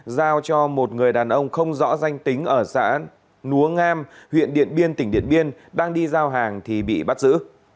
giao cho một người đàn ông không rõ danh tính ở xã núa ngam huyện điện biên tỉnh điện biên đang đi giao hàng thì bị bắt giữ